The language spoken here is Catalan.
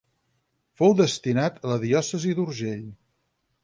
Fou destinat a la diòcesi d'Urgell.